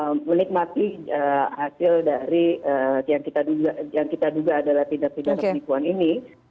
dan juga menikmati hasil dari yang kita duga adalah tindak tindakan penipuan ini